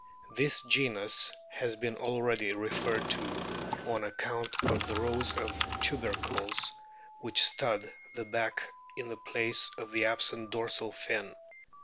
This genus has been already referred to on account of the rows of tubercles which stud the back in the place of the absent dorsal fin.